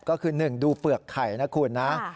ก็คือ๑ดูเปลือกไข่นะคุณนะ